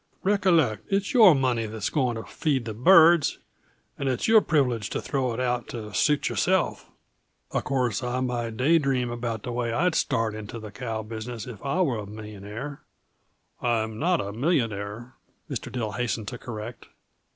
"Recollect, it's your money that's going to feed the birds and it's your privilege to throw it out to suit yourself. Uh course, I might day dream about the way I'd start into the cow business if I was a millionaire " "I'm not a millionaire," Mr. Dill hastened to correct.